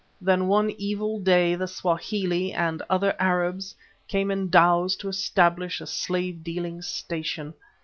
Then on one evil day the Swahili and other Arabs came in dhows to establish a slave dealing station.